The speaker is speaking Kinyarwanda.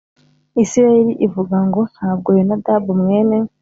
Isirayeli Ivuga Ngo Ntabwo Yonadabu Mwene